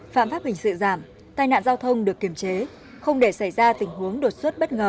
phạm pháp hình sự giảm tai nạn giao thông được kiềm chế không để xảy ra tình huống đột xuất bất ngờ